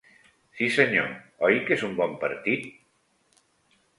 Sí, senyor. Oi que és un bon partit?